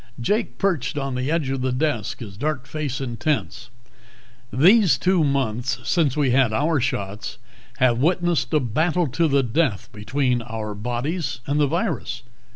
Jake perched on the edge of the desk, his dark face intense. "These two months since we had our shots have witnessed a battle to the death between our bodies and the virus.